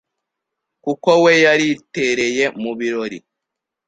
kuko we yaritereye mu birori